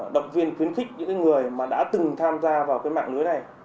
động viên khuyến khích những người mà đã từng tham gia vào cái mạng lưới này